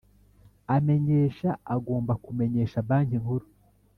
amenyesha agomba kumenyesha Banki Nkuru